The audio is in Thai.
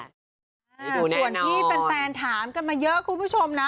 ส่วนที่แฟนถามกันมาเยอะคุณผู้ชมนะ